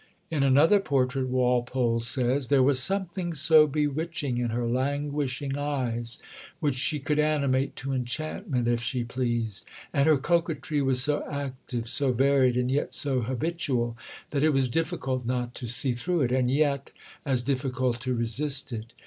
In another portrait Walpole says: "There was something so bewitching in her languishing eyes, which she could animate to enchantment if she pleased, and her coquetry was so active, so varied, and yet so habitual, that it was difficult not to see through it, and yet as difficult to resist it.